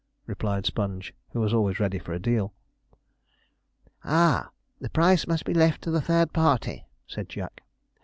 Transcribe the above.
replied Sponge, who was always ready for a deal. 'Ah, the price must be left to a third party,' said Jack.